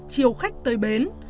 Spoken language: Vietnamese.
chiều khách tới bến